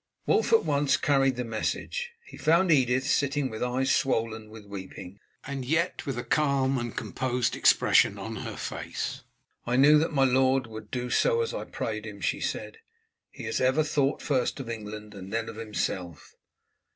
Wulf at once carried the message. He found Edith sitting with eyes swollen with weeping, and yet with a calm and composed expression on her face. "I knew that my lord would do as I prayed him," she said; "he has ever thought first of England and then of himself.